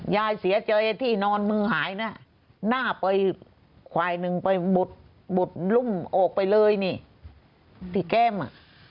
ยายเสียใจที่นอนมึงหายนะหน้าไปควายหนึ่งไปบดรุ่มออกไปเลยนี่ที่แก้มอ่ะ